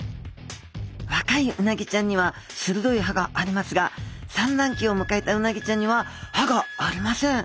若いうなぎちゃんにはするどい歯がありますが産卵期をむかえたうなぎちゃんには歯がありません。